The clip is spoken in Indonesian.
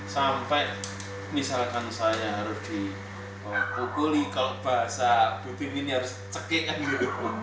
sampai misalkan saya harus dikukuli kalau basah bubi bubi ini harus dicekikkan gitu